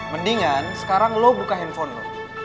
mendingan sekarang lo buka handphone lo